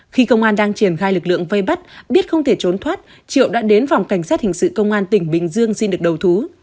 khi công an đang triển khai lực lượng vây bắt biết không thể trốn thoát triệu đã đến phòng cảnh sát hình sự công an tỉnh bình dương xin được đầu thú